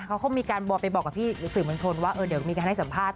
เขาก็มีการบอกไปบอกกับพี่สื่อมวลชนว่าเดี๋ยวมีการให้สัมภาษณ